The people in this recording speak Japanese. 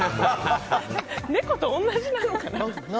猫と同じなのかな。